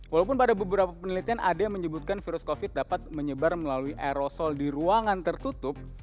walaupun pada beberapa penelitian ada yang menyebutkan virus covid dapat menyebar melalui aerosol di ruangan tertutup